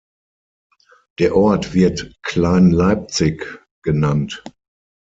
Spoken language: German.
Der Ort wird „Klein-Leipzig“ genannt.